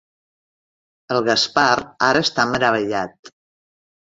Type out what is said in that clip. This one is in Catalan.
El Gaspar ara està meravellat.